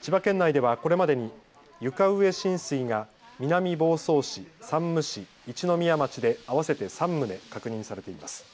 千葉県内ではこれまでに床上浸水が南房総市、山武市、一宮町で合わせて３棟確認されています。